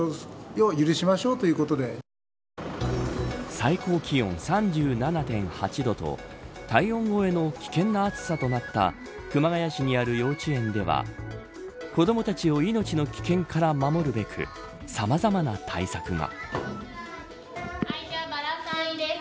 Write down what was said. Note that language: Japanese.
最高気温３７．８度と体温超えの危険な暑さとなった熊谷市にある幼稚園では子どもたちを命の危険から守るべくさまざまな対策が。